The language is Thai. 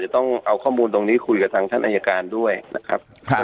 ต้องเอาข้อมูลตรงนี้คุยกับทางท่านอายการด้วยนะครับ